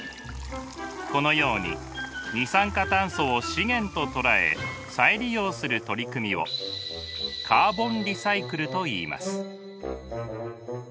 このように二酸化炭素を資源と捉え再利用する取り組みをカーボンリサイクルといいます。